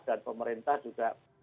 dan pemerintah juga